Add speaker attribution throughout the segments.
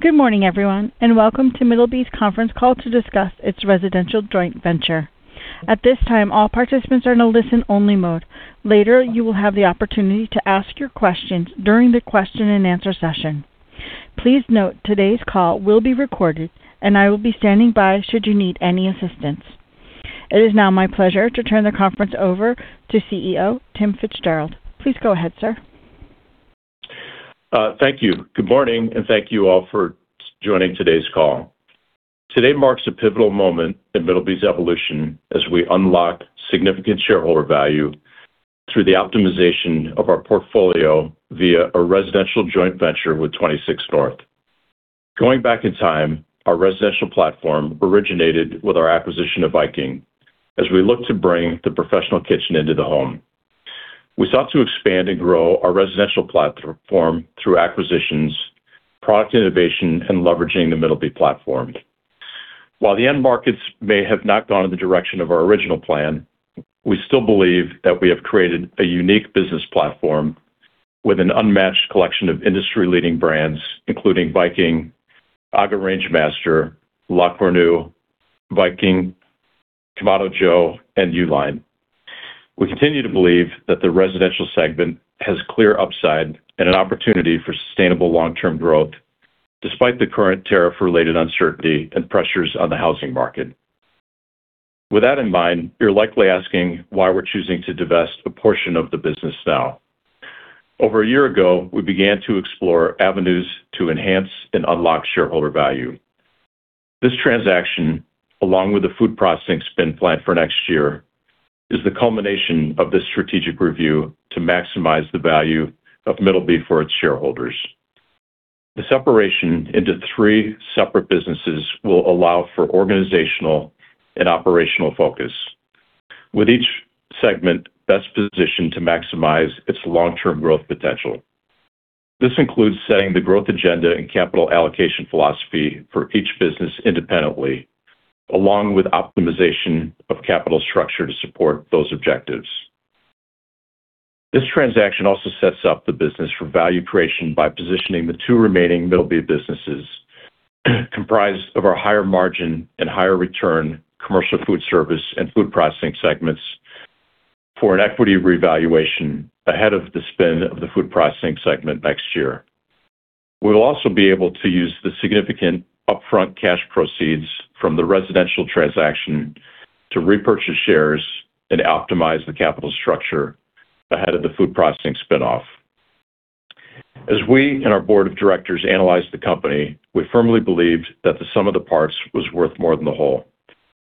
Speaker 1: Good morning, everyone, and welcome to Middleby's conference call to discuss its residential joint venture. At this time, all participants are in a listen-only mode. Later, you will have the opportunity to ask your questions during the question-and-answer session. Please note today's call will be recorded, and I will be standing by should you need any assistance. It is now my pleasure to turn the conference over to CEO Tim FitzGerald. Please go ahead, sir.
Speaker 2: Thank you. Good morning, and thank you all for joining today's call. Today marks a pivotal moment in Middleby's evolution as we unlock significant shareholder value through the optimization of our portfolio via a residential joint venture with 26North. Going back in time, our residential platform originated with our acquisition of Viking as we looked to bring the professional kitchen into the home. We sought to expand and grow our residential platform through acquisitions, product innovation, and leveraging the Middleby's platform. While the end markets may have not gone in the direction of our original plan, we still believe that we have created a unique business platform with an unmatched collection of industry-leading brands, including Viking, AGA Rangemaster, La Cornue, Viking, Kamado Joe, and U-Line. We continue to believe that the residential segment has clear upside and an opportunity for sustainable long-term growth despite the current tariff-related uncertainty and pressures on the housing market. With that in mind, you're likely asking why we're choosing to divest a portion of the business now. Over a year ago, we began to explore avenues to enhance and unlock shareholder value. This transaction, along with the Food Processing spin plan for next year, is the culmination of this strategic review to maximize the value of Middleby for its shareholders. The separation into three separate businesses will allow for organizational and operational focus, with each segment best positioned to maximize its long-term growth potential. This includes setting the growth agenda and capital allocation philosophy for each business independently, along with optimization of capital structure to support those objectives. This transaction also sets up the business for value creation by positioning the two remaining Middleby’s businesses, comprised of our higher margin and higher return Commercial Foodservice and Food Processing segments, for an equity revaluation ahead of the spinoff of the Food Processing segment next year. We will also be able to use the significant upfront cash proceeds from the residential transaction to repurchase shares and optimize the capital structure ahead of the Food Processing spinoff. As we and our board of directors analyzed the company, we firmly believed that the sum of the parts was worth more than the whole.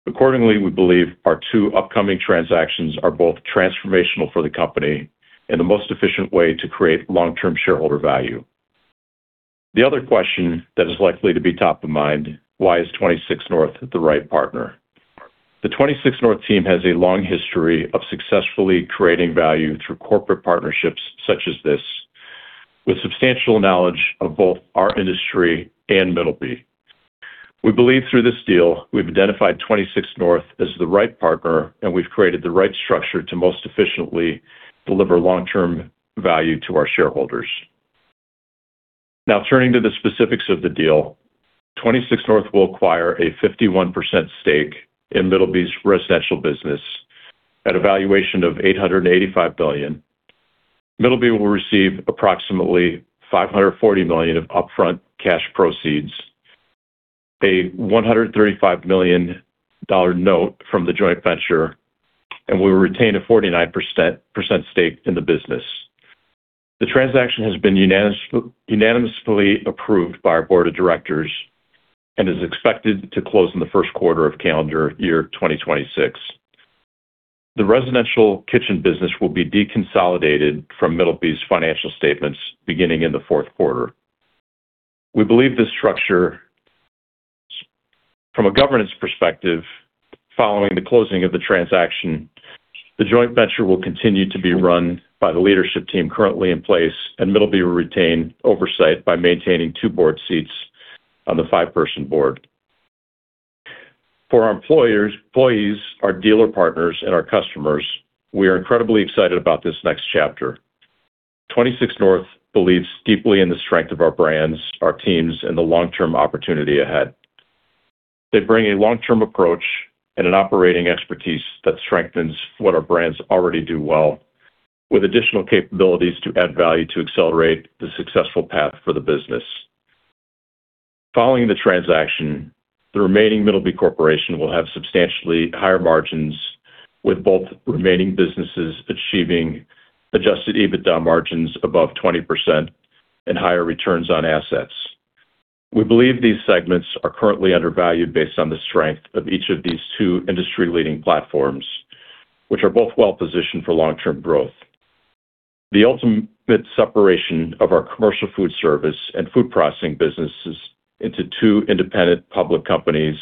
Speaker 2: Accordingly, we believe our two upcoming transactions are both transformational for the company and the most efficient way to create long-term shareholder value. The other question that is likely to be top of mind, why is 26North the right partner? The 26North team has a long history of successfully creating value through corporate partnerships such as this, with substantial knowledge of both our industry and Middleby's. We believe through this deal, we've identified 26North as the right partner, and we've created the right structure to most efficiently deliver long-term value to our shareholders. Now, turning to the specifics of the deal, 26North will acquire a 51% stake in Middleby's residential business at a valuation of $885 billion. Middleby will receive approximately $540 million of upfront cash proceeds, a $135 million note from the joint venture, and we will retain a 49% stake in the business. The transaction has been unanimously approved by our board of directors and is expected to close in the first quarter of calendar year 2026. The residential kitchen business will be deconsolidated from Middleby's financial statements beginning in the fourth quarter. We believe this structure, from a governance perspective, following the closing of the transaction, the joint venture will continue to be run by the leadership team currently in place, and Middleby will retain oversight by maintaining two board seats on the five-person board. For our employees, our dealer partners, and our customers, we are incredibly excited about this next chapter. 26North believes deeply in the strength of our brands, our teams, and the long-term opportunity ahead. They bring a long-term approach and an operating expertise that strengthens what our brands already do well, with additional capabilities to add value to accelerate the successful path for the business. Following the transaction, the remaining Middleby Corporation will have substantially higher margins, with both remaining businesses achieving Adjusted EBITDA margins above 20% and higher returns on assets. We believe these segments are currently undervalued based on the strength of each of these two industry-leading platforms, which are both well-positioned for long-term growth. The ultimate separation of our Commercial Foodservice and Food Processing businesses into two independent public companies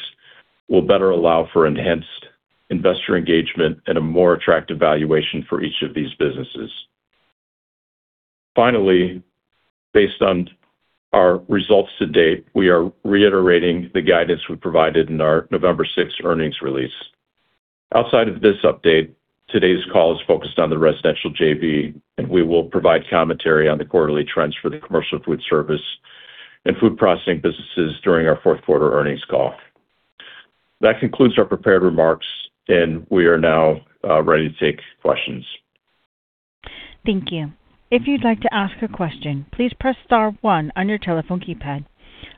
Speaker 2: will better allow for enhanced investor engagement and a more attractive valuation for each of these businesses. Finally, based on our results to date, we are reiterating the guidance we provided in our November 6 earnings release. Outside of this update, today's call is focused on the residential JV, and we will provide commentary on the quarterly trends for the Commercial Foodservice and Food Processing businesses during our fourth quarter earnings call. That concludes our prepared remarks, and we are now ready to take questions.
Speaker 1: Thank you. If you'd like to ask a question, please press star one on your telephone keypad.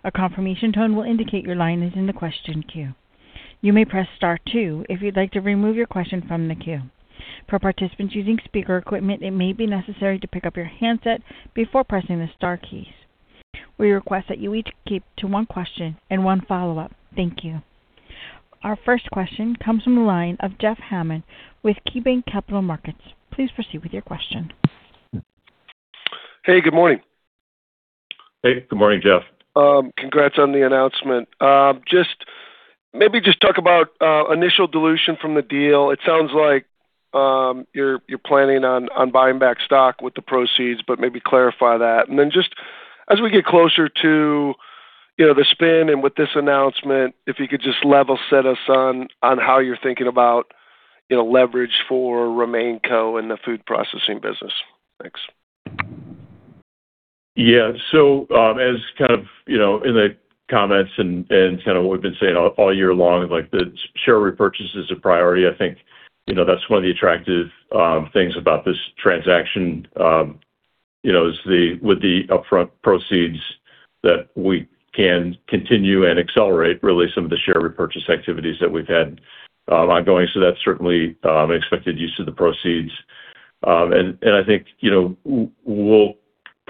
Speaker 1: A confirmation tone will indicate your line is in the question queue. You may press star two if you'd like to remove your question from the queue. For participants using speaker equipment, it may be necessary to pick up your handset before pressing the star keys. We request that you each keep to one question and one follow-up. Thank you. Our first question comes from the line of Jeff Hammond with KeyBanc Capital Markets. Please proceed with your question.
Speaker 3: Hey, good morning.
Speaker 2: Hey, good morning, Jeff.
Speaker 3: Congrats on the announcement. Maybe just talk about initial dilution from the deal. It sounds like you're planning on buying back stock with the proceeds, but maybe clarify that. Then just as we get closer to the spin and with this announcement, if you could just level set us on how you're thinking about leverage for RemainCo and the Food Processing business. Thanks.
Speaker 2: Yeah. As kind of in the comments and kind of what we've been saying all year long, the share repurchase is a priority. I think that's one of the attractive things about this transaction is with the upfront proceeds that we can continue and accelerate really some of the share repurchase activities that we've had ongoing. That's certainly an expected use of the proceeds. I think we'll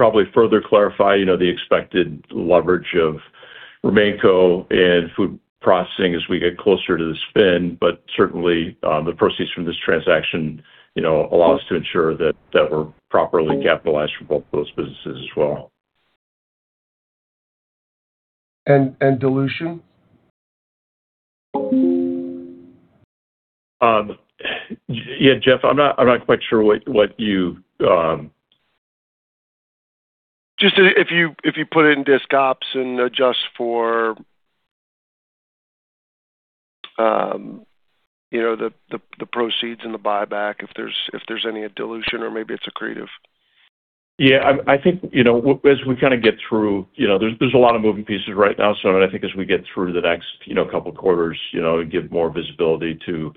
Speaker 2: probably further clarify the expected leverage of RemainCo and Food Processing as we get closer to the spin, but certainly the proceeds from this transaction allow us to ensure that we're properly capitalized for both of those businesses as well.
Speaker 3: And dilution?
Speaker 2: Yeah, Jeff, I'm not quite sure what you.
Speaker 3: Just if you put it in Disc Ops and adjust for the proceeds and the buyback, if there's any dilution or maybe it's accretive.
Speaker 2: Yeah, I think as we kind of get through, there's a lot of moving parts right now. I think as we get through the next couple of quarters, it'll give more visibility to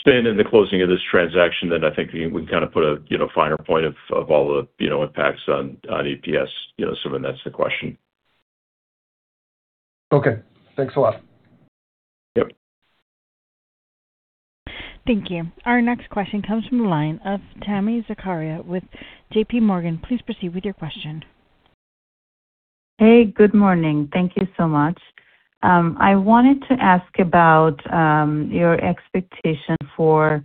Speaker 2: spin in the closing of this transaction than I think we can kind of put a finer point on all the impacts on EPS. Then that's the question.
Speaker 3: Okay. Thanks a lot.
Speaker 2: Yep.
Speaker 1: Thank you. Our next question comes from the line of Tami Zakaria with J.P. Morgan. Please proceed with your question.
Speaker 4: Hey, good morning. Thank you so much. I wanted to ask about your expectation for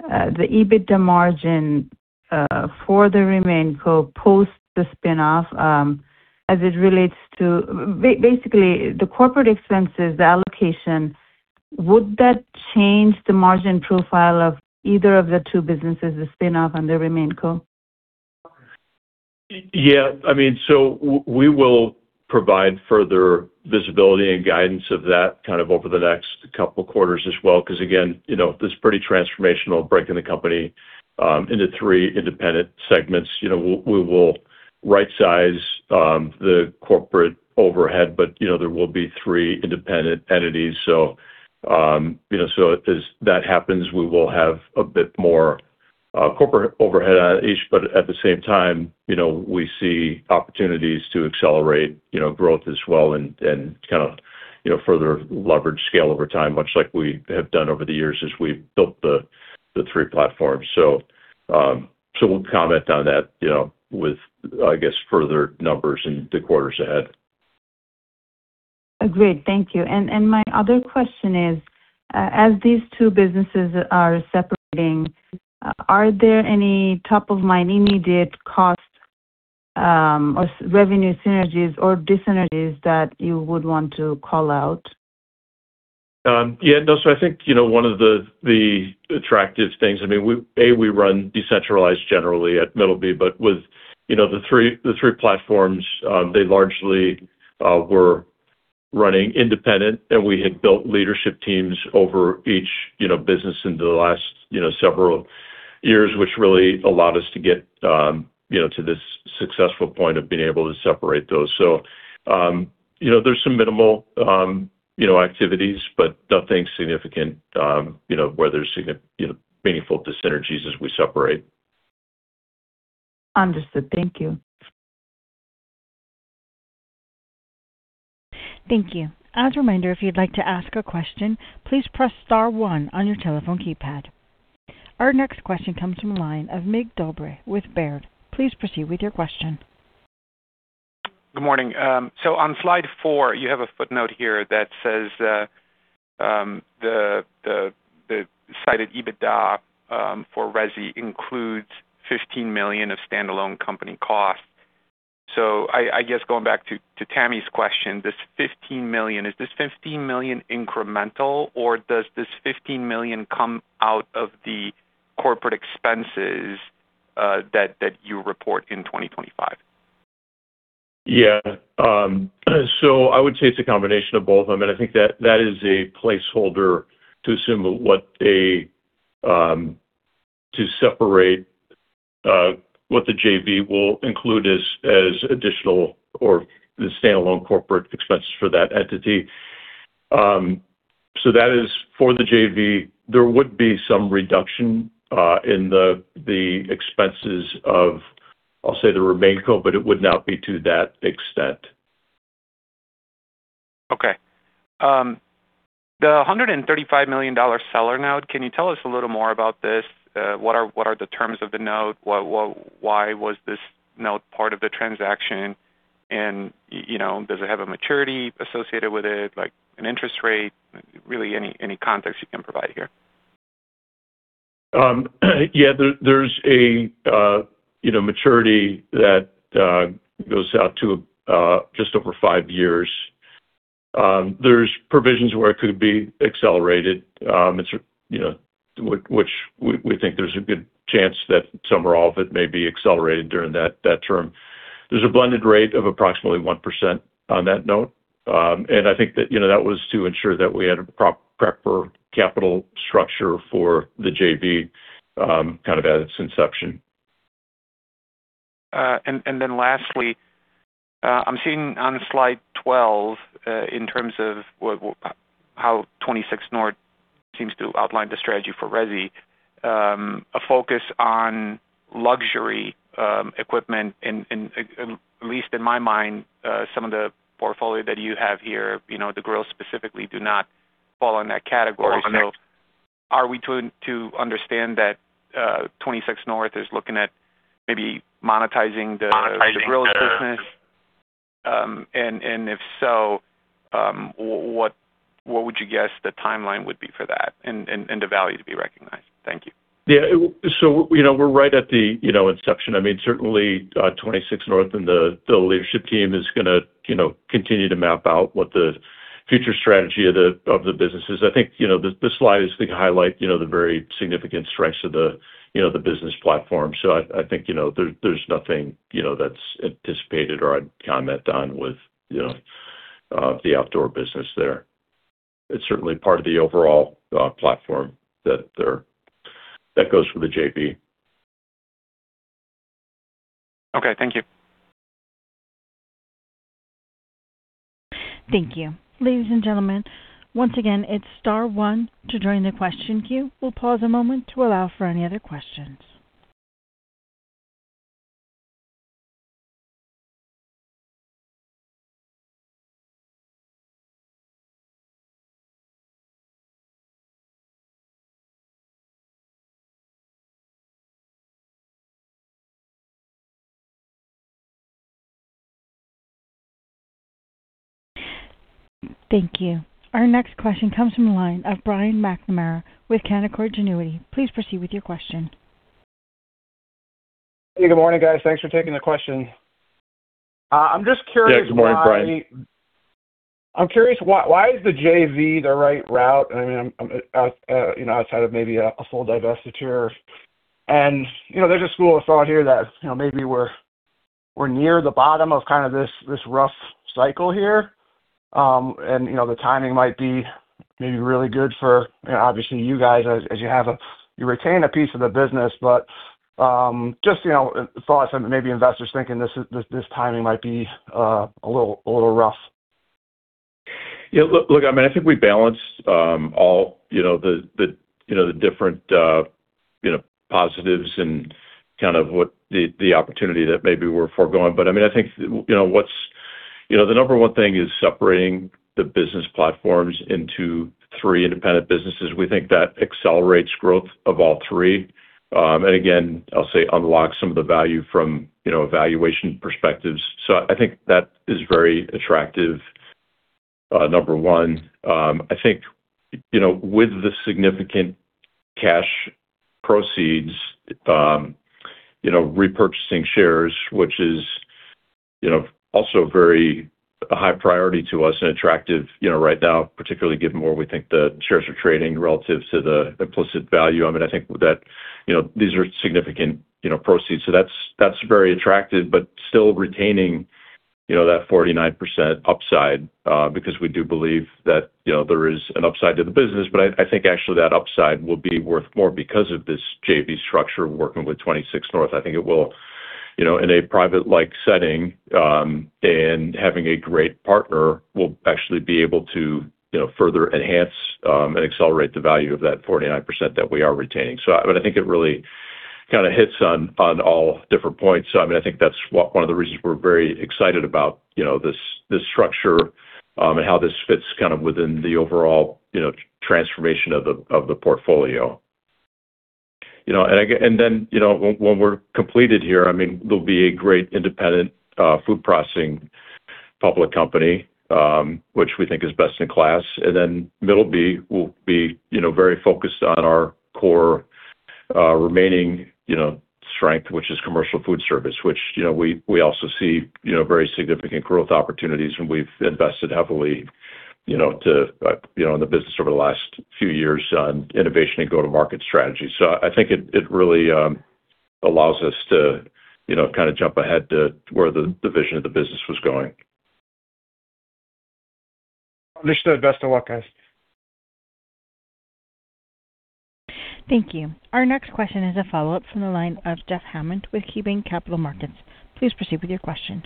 Speaker 4: the EBITDA margin for the RemainCo post the spinoff as it relates to basically the corporate expenses, the allocation. Would that change the margin profile of either of the two businesses, the spin-off and the RemainCo?
Speaker 2: Yeah. I mean, so we will provide further visibility and guidance of that kind of over the next couple of quarters as well. Because again, this is a pretty transformational break in the company into three independent segments. We will right-size the corporate overhead, but there will be three independent entities. As that happens, we will have a bit more corporate overhead on each, but at the same time, we see opportunities to accelerate growth as well and kind of further leverage scale over time, much like we have done over the years as we built the three platforms. We'll comment on that with, I guess, further numbers in the quarters ahead.
Speaker 4: Agreed. Thank you. And my other question is, as these two businesses are separating, are there any top-of-mind immediate cost or revenue synergies or dyssynergies that you would want to call out?
Speaker 2: Yeah. No, so I think one of the attractive things, I mean, A, we run decentralized generally at Middleby, but with the three platforms, they largely were running independent, and we had built leadership teams over each business in the last several years, which really allowed us to get to this successful point of being able to separate those. So there's some minimal activities, but nothing significant where there's meaningful dyssynergies as we separate.
Speaker 4: Understood. Thank you.
Speaker 1: Thank you. As a reminder, if you'd like to ask a question, please press Star 1 on your telephone keypad. Our next question comes from the line of Mircea Dobre with Baird. Please proceed with your question.
Speaker 5: Good morning. So on slide four, you have a footnote here that says the cited EBITDA for Resi includes $15 million of standalone company costs. I guess going back to Tami's question, this $15 million, is this $15 million incremental, or does this $15 million come out of the corporate expenses that you report in 2025?
Speaker 2: Yeah. I would say it's a combination of both. I mean, I think that that is a placeholder to separate what the JV will include as additional or the standalone corporate expenses for that entity. That is for the JV. There would be some reduction in the expenses of, I'll say, the RemainCo, but it would not be to that extent.
Speaker 5: Okay. The $135 million seller note, can you tell us a little more about this? What are the terms of the note? Why was this note part of the transaction? Does it have a maturity associated with it, like an interest rate? Really, any context you can provide here.
Speaker 2: Yeah. There's a maturity that goes out to just over five years. There's provisions where it could be accelerated, which we think there's a good chance that some or all of it may be accelerated during that term. There's a blended rate of approximately 1% on that note. I think that was to ensure that we had a proper capital structure for the JV kind of at its inception.
Speaker 5: And then lastly, I'm seeing on slide 12, in terms of how 26North seems to outline the strategy for Resi, a focus on luxury equipment. At least in my mind, some of the portfolio that you have here, the grills specifically do not fall in that category. Are we to understand that 26North is looking at maybe monetizing the grills business? If so, what would you guess the timeline would be for that and the value to be recognized? Thank you.
Speaker 2: Yeah. We're right at the inception. I mean, certainly, 26North and the leadership team is going to continue to map out what the future strategy of the business is. I think this slide is to highlight the very significant strengths of the business platform. I think there's nothing that's anticipated or I'd comment on with the outdoor business there. It's certainly part of the overall platform that goes with the JV.
Speaker 5: Okay. Thank you.
Speaker 1: Thank you. Ladies and gentlemen, once again, it's star one to join the question queue. We'll pause a moment to allow for any other questions. Thank you. Our next question comes from the line of Brian McNamara with Canaccord Genuity. Please proceed with your question.
Speaker 6: Hey, good morning, guys. Thanks for taking the question. I'm just curious.
Speaker 2: Yeah, good morning, Bryan.
Speaker 6: Why is the JV the right route? I mean, outside of maybe a full divestiture. There's a school of thought here that maybe we're near the bottom of kind of this rough cycle here. The timing might be maybe really good for, obviously, you guys as you retain a piece of the business. Just thoughts on maybe investors thinking this timing might be a little rough.
Speaker 2: Yeah. Look, I mean, I think we balanced all the different positives and kind of the opportunity that maybe we're foregoing. I mean, I think what's the number one thing is separating the business platforms into three independent businesses. We think that accelerates growth of all three. Again, I'll say unlock some of the value from valuation perspectives. I think that is very attractive, number one. I think with the significant cash proceeds, repurchasing shares, which is also a very high priority to us and attractive right now, particularly given where we think the shares are trading relative to the implicit value. I mean, I think that these are significant proceeds. That's very attractive, but still retaining that 49% upside because we do believe that there is an upside to the business. I think actually that upside will be worth more because of this JV structure working with 26North. I think it will, in a private-like setting and having a great partner, will actually be able to further enhance and accelerate the value of that 49% that we are retaining. I mean, I think it really kind of hits on all different points. I mean, I think that's one of the reasons we're very excited about this structure and how this fits kind of within the overall transformation of the portfolio. Then when we're completed here, I mean, there'll be a great independent Food Processing public company, which we think is best in class. Then Middleby will be very focused on our core remaining strength, which is Commercial Foodservice, which we also see very significant growth opportunities. We have invested heavily in the business over the last few years on innovation and go-to-market strategy. I think it really allows us to kind of jump ahead to where the vision of the business was going.
Speaker 6: Understood. Best of luck, guys.
Speaker 1: Thank you. Our next question is a follow-up from the line of Jeff Hammond with KeyBanc Capital Markets. Please proceed with your question.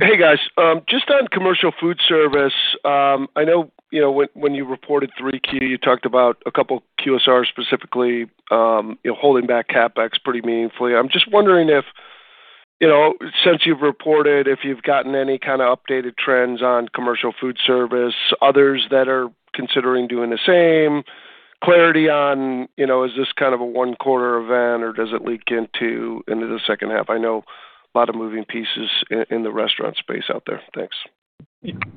Speaker 3: Hey, guys. Just on Commercial Foodservice, I know when you reported 3Q, you talked about a couple of QSRs specifically holding back CapEx pretty meaningfully. I'm just wondering if, since you've reported, if you've gotten any kind of updated trends on Commercial Foodservice, others that are considering doing the same, clarity on, is this kind of a one-quarter event, or does it leak into the second half? I know a lot of moving pieces in the restaurant space out there. Thanks.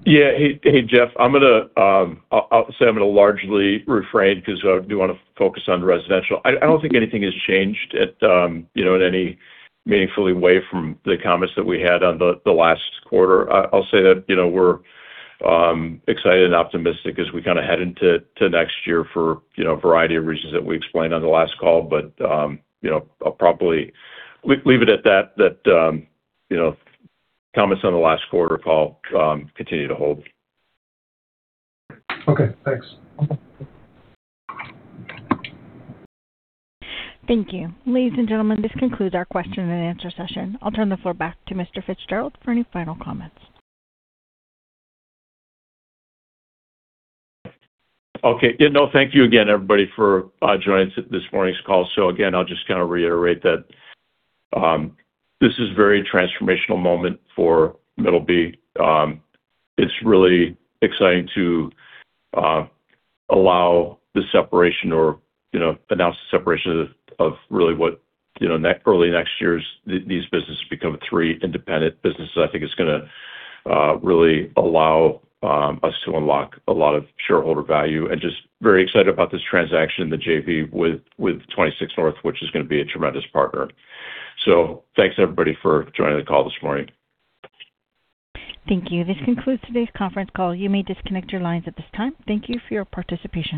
Speaker 2: Yeah. Hey, Jeff. I'll say I'm going to largely refrain because I do want to focus on residential. I don't think anything has changed in any meaningful way from the comments that we had on the last quarter. I'll say that we're excited and optimistic as we kind of head into next year for a variety of reasons that we explained on the last call. But I'll probably leave it at that, that comments on the last quarter call continue to hold.
Speaker 3: Okay. Thanks.
Speaker 1: Thank you. Ladies and gentlemen, this concludes our question and answer session. I'll turn the floor back to Mr. FitzGerald for any final comments.
Speaker 2: Okay. Yeah. No, thank you again, everybody, for joining this morning's call. So again, I'll just kind of reiterate that this is a very transformational moment for Middleby. It's really exciting to allow the separation or announce the separation of really what early next year's these businesses become three independent businesses. I think it's going to really allow us to unlock a lot of shareholder value. Just very excited about this transaction in the JV with 26North, which is going to be a tremendous partner. Thanks, everybody, for joining the call this morning.
Speaker 1: Thank you. This concludes today's conference call. You may disconnect your lines at this time. Thank you for your participation.